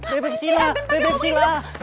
bebek silla bebek silla